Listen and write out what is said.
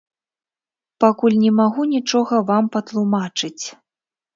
Пакуль не магу нічога вам патлумачыць.